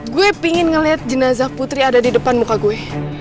gue pengen ngeliat jenazah putri ada di depan muka gue